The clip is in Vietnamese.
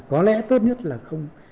có lẽ tốt nhất là không